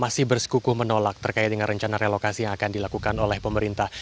masih bersekukuh menolak terkait dengan rencana relokasi yang akan dilakukan oleh pemerintah